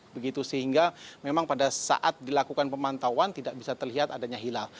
begitu sehingga memang pada saat dilakukan pemantauan tidak bisa terlihat adanya hilal